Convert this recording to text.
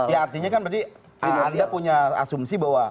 ya artinya kan berarti anda punya asumsi bahwa